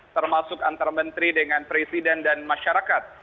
termasuk antar menteri dengan presiden dan masyarakat